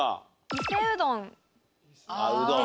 伊勢うどん。